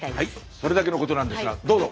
それだけのことなんですがどうぞ！